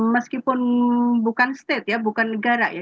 meskipun bukan state ya bukan negara ya